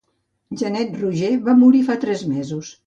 Janet Roger va morir fa tres mesos.